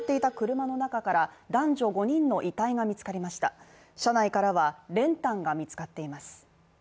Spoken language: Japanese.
車内からは練炭が見つかっています。